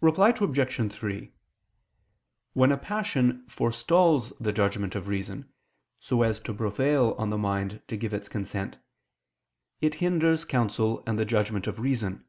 Reply Obj. 3: When a passion forestalls the judgment of reason, so as to prevail on the mind to give its consent, it hinders counsel and the judgment of reason.